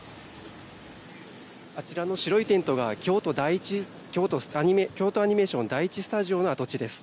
あちらの白いテントが京都アニメーション第１スタジオの跡地です。